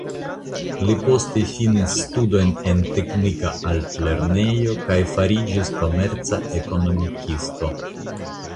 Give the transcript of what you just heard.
Li poste finis studojn en teknika altlernejo kaj fariĝis komerca ekonomikisto.